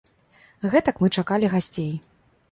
Гэтак мы чакалі гасцей.